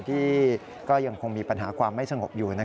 ที่ก็ยังคงมีปัญหาความไม่สงบอยู่